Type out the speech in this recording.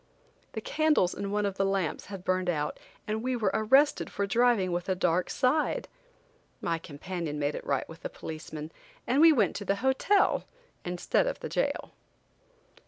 The candles in one of the lamps had burned out and we were arrested for driving with a dark side. My companion made it right with the policeman, and we went to the hotel instead of the jail.